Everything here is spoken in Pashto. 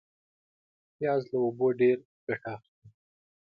پیاز له اوبو ډېر ګټه اخلي